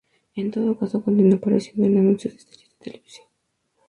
En todo caso continuó apareciendo en anuncios y series de televisión.